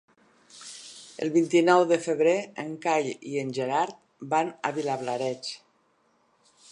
El vint-i-nou de febrer en Cai i en Gerard van a Vilablareix.